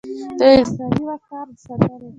د انساني وقار د ساتنې